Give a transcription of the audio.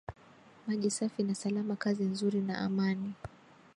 maji safi na salama kazi nzuri na amani